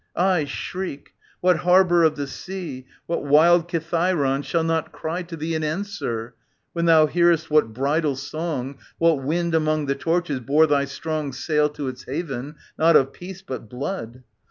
Aye, shriek ! What harbour of the sea. What wild Kithairon shall not cry to thee In answer, when thou hear'st what bridal song. What wind among the torches, bore thy strong Sail to its haven, not of peace but blood.